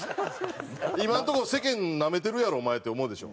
今のとこ世間なめてるやろお前って思うでしょ。